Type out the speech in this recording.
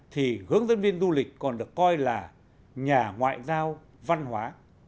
thì hướng dẫn viên du lịch còn được coi là nhà ngoại giao văn hóa